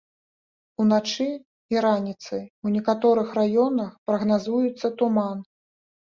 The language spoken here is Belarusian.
Уначы і раніцай у некаторых раёнах прагназуецца туман.